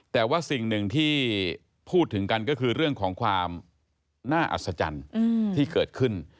แต่ว่าสิ่งหนึ่งที่พูดถึงกันก็คือเรื่องของความน่าอัศจรรย์ที่เกิดขึ้น